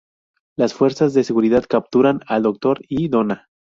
Las fuerzas de seguridad capturan al Doctor y Donna.